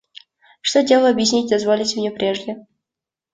Что дело объяснить дозволите мне прежде.